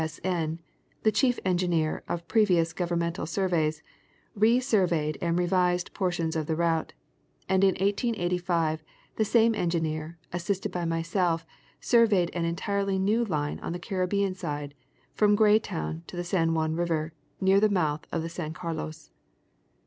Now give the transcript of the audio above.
S. N., the chief engineer of previous governmental surveys, re surveyed and revised portions of the route, and in 1885 the same engineer, assisted by myself, surveyed an entirely new line on the Caribbean side, from Greytown to the San Juan river, near the mouth of the San Carlos.